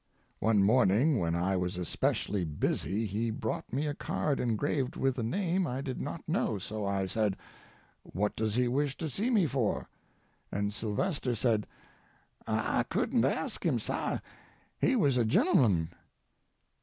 One morning when I was especially busy he brought me a card engraved with a name I did not know. So I said, "What does he wish to see me for?" and Sylvester said, "Ah couldn't ask him, sah; he, wuz a genlinun."